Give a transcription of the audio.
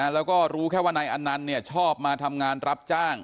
แล้วก็รู้แค่ว่าในอันนั้นเนี่ยชอบมาทำงานรับจ้าง